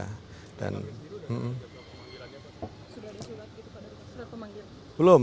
sudah ada sholat gitu pak dari pak presiden